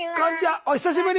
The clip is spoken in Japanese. お久しぶり！